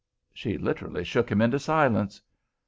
She literally shook him into silence.